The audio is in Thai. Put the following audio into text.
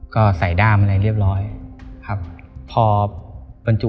ก็ใส่ด้ามอะไรเรียบร้อย